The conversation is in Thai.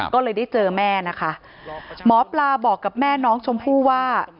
ก็เลยได้เจอแม่นะคะหมอปลาบอกกับแม่น้องชมพู่ว่า